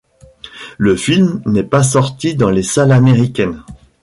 Le film n'est pas sorti dans les salles américaines.